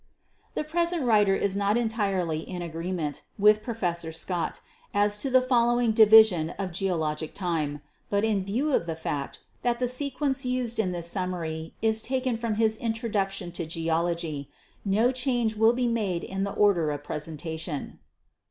The present writer is not entirely in agreement with Professor Scott as to the following division of geologic time, but in view of the fact that the sequence used in this summary is taken from his 'Introduction to Geology,' no change will be made in the order of presentation.